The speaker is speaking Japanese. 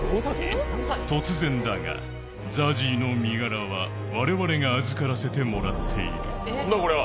突然だが、ＺＡＺＹの身柄は我々が預からせてもらっている。